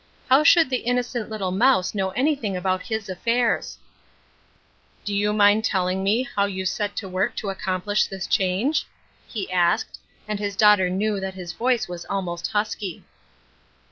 How should the innocent little mouse know anything about his affairs ?" Do you mind telling me how you set to work to accomplish this change ?" he asked, and his daughter knew that his voice was almost husky.